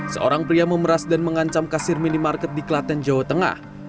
seorang pria memeras dan mengancam kasir minimarket di klaten jawa tengah